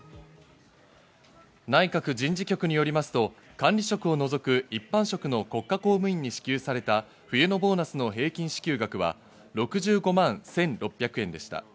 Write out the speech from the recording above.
内閣人事局によりますと、管理職を除く一般職の国家公務員に支給された冬のボーナスの平均支給額は６５万１６００円でした。